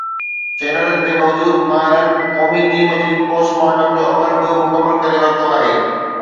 چينلن تي موجود ”ماهرن“ قومي ٽيم جي پوسٽ مارٽم جو عمل به مڪمل ڪري ورتو آهي.